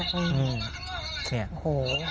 กูจะลากมึงมานะ